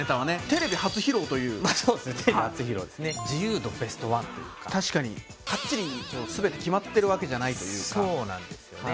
テレビ初披露ですね自由度ベストワンというか確かにカッチリ全て決まってるわけじゃないというかそうなんですよね